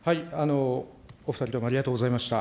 お２人ともありがとうございました。